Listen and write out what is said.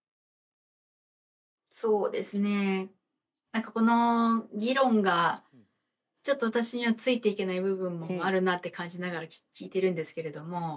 何かこの議論がちょっと私にはついていけない部分もあるなって感じながら聞いているんですけれども。